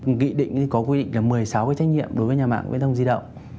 nghị định có quy định là một mươi sáu cái trách nhiệm đối với nhà mạng viễn thông di động